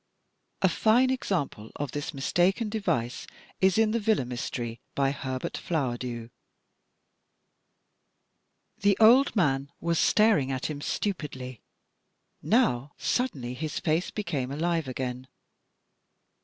A fine example of this mistaken device is in "The Villa Mystery," by Herbert Flowerdew: The old man was staring at him stupidly. Now suddenly his face became alive again.